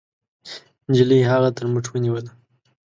نجلۍ هغه تر مټ ونيوله.